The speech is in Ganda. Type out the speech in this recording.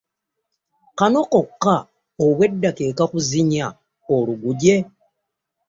Kano kokka obwedda ke kakuzinya oluguje!